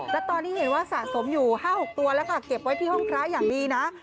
และตอนนี้เห็นว่าสะสมอยู่๕๖ตัวแล้วค่ะเก็บไว้ที่ห้องพระอย่างดีนะ